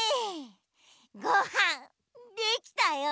ごはんできたよ。